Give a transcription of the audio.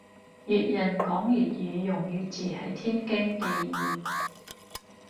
粵人講粵語用粵字係天經地義